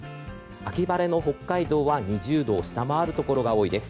秋晴れの北海道は２０度を下回るところが多いです。